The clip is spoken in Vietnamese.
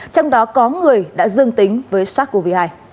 trong đó có người đã dương tính với sars cov hai